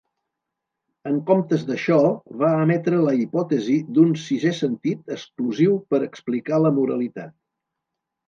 En comptes d'això, va emetre la hipòtesi d'un "sisè sentit" exclusiu per explicar la moralitat.